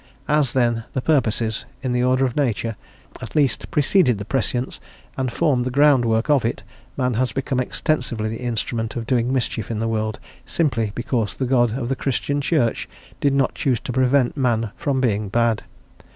As, then, the purposes, in the order of nature, at least preceded the prescience and formed the groundwork of it, man has become extensively the instrument of doing mischief in the world simply because the God of the Christian Church did not choose to prevent man from being bad.